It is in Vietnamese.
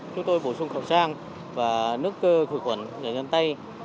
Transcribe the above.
chúng tôi bổ sung khẩu trang và nước thủy quận giải nhân tây